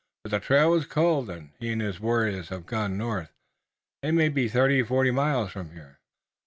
But the trail was cold. He and his warriors have gone north. They may be thirty, forty miles from here."